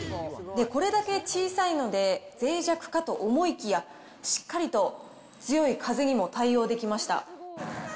これだけ小さいので、ぜい弱かと思いきや、しっかりと強い風にも対応できました。